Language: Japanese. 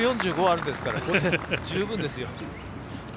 ２４５あるんですから十分ですよ。